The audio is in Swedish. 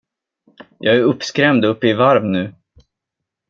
Jag är uppskrämd och uppe i varv nu.